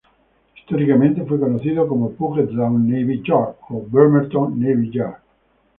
Históricamente fue conocido como Puget Sound Navy Yard o Bremerton Navy Yard.